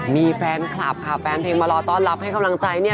มีแฟนคลับค่ะแฟนเพลงมารอต้อนรับให้กำลังใจเนี่ย